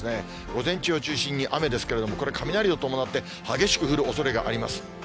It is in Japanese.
午前中を中心に雨ですけれども、これ、雷を伴って激しく降るおそれがあります。